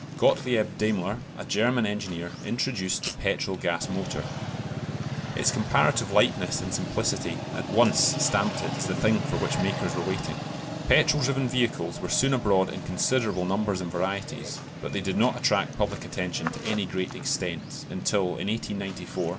Gottlieb Daimler, a German engineer, introduced the petrol gas motor. Its comparative lightness and simplicity at once stamped it as the thing for which makers were waiting. Petrol driven vehicles were soon abroad in considerable numbers and varieties, but they did not attract public attention to any great extent until, in 1894, M.